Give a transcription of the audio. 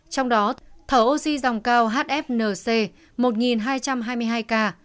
trong đó thở oxy dòng cao hfnc một hai trăm hai mươi hai ca